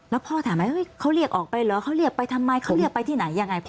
แล้วพ่อถามไหมเขาเรียกออกไปเหรอเขาเรียกไปทำไมเขาเรียกไปที่ไหนยังไงพ่อ